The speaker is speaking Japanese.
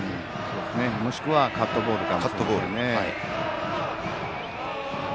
もしくはカットボールか。